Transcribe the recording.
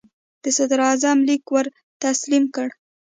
د صدراعظم لیک ور تسلیم کړ.